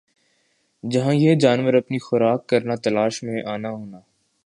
جَہاں یِہ جانور اپنی خوراک کرنا تلاش میں آنا ہونا